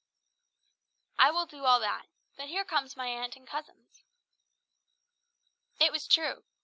"I will do all that. But here come my aunt and cousins." It was true.